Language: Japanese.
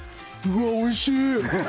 うわっ、おいしい！